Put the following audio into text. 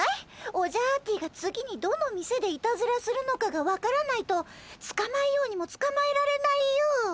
オジャアーティが次にどの店でいたずらするのかが分からないとつかまえようにもつかまえられないよ。